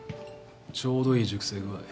ちょうどいい熟成具合。